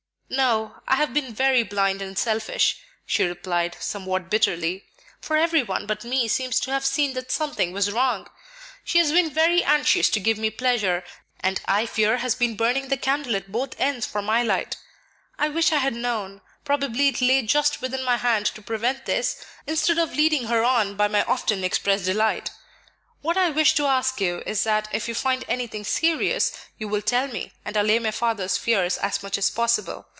"No; I have been very blind and selfish," she replied, somewhat bitterly, "for every one but me seems to have seen that something was wrong. She has been very anxious to give me pleasure, and I fear has been burning the candle at both ends for my light. I wish I had known probably it lay just within my hand to prevent this, instead of leading her on by my often expressed delight. What I wish to ask you is that if you find anything serious, you will tell me, and allay my father's fears as much as possible.